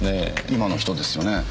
今の人ですよね？